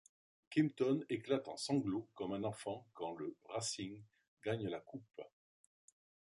Kimpton éclate en sanglots comme un enfant quand le Racing gagne la Coupe.